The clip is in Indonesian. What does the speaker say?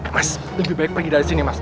mas lebih baik pergi dari sini mas